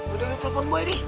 udah gak telepon boy nih